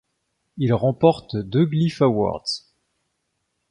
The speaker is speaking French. Il remporte deux Glyph Awards.